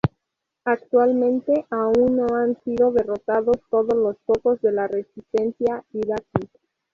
Actualmente, aún no han sido derrotados todos los focos de la Resistencia iraquí.